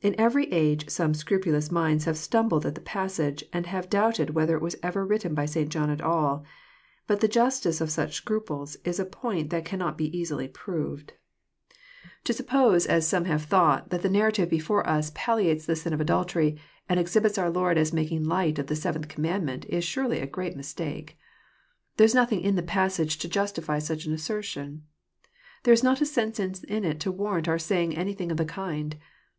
In every age some scrupulous minds have stumbled at the passage, and have doubted whether it was ever written by St. John at all. But the justice of such scruples is a point that cannot easily bo proved. 1 62 EXFOSITOBT THOUGHTS. To suppose, as some have thonght, that the narrative before us palliates the sin of adultery, and exhibits our Lord as making light of the seventh commandment, is surely a gi*eat mistake. There is nothing in the passage to justify such an assertion. There is not a sentence in it to warrant our saying anything of the kind.